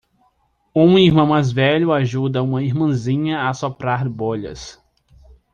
Um irmão mais velho ajuda uma irmãzinha a soprar bolhas.